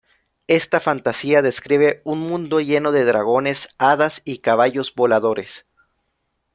Esta fantasía describe un mundo lleno de dragones, hadas y caballos voladores.